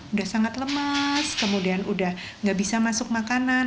udah sangat lemas kemudian udah gak bisa masuk makanan